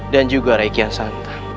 dan juga rai kian santan